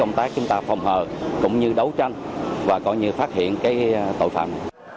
công tác chúng ta phòng hợp cũng như đấu tranh và coi như phát hiện cái tội phạm